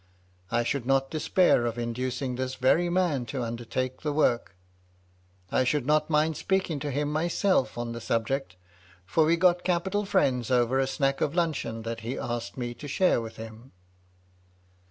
I should not despair of inducing this very man to undertake the work. I should not mind speaking to him myself on 280 MY LADY LUDLOW. the subject, for we got capital friends over a snack of luncheon that he asked me to share with him."